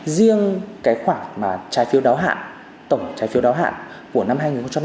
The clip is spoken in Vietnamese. riêng cái khoản mà trái phiếu đáo hạn tổng trái phiếu đáo hạn của năm hai nghìn hai mươi ba